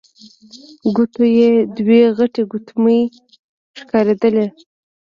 ګوتو يې دوې غټې ګوتمۍ ښکارېدلې.